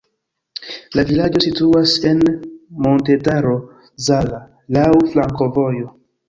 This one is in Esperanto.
La vilaĝo situas en Montetaro Zala, laŭ flankovojo.